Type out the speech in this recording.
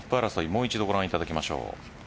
もう一度ご覧いただきましょう。